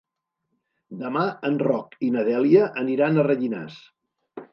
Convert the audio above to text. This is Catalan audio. Demà en Roc i na Dèlia aniran a Rellinars.